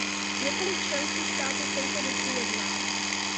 Několik členských států v tomto duchu jedná.